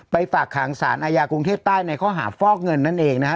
ฝากขังสารอาญากรุงเทพใต้ในข้อหาฟอกเงินนั่นเองนะฮะ